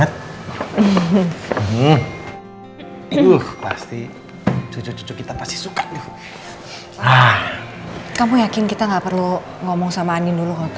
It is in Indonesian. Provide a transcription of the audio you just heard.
tuhan ada di naila